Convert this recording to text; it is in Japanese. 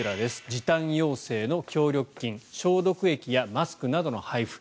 時短要請の協力金消毒液やマスクなどの配布